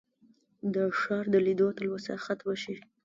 د ښار د لیدو تلوسه ختمه شي.